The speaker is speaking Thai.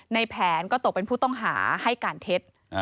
ในแผนก็ตกเป็นผู้ต้องหาให้การเท็จ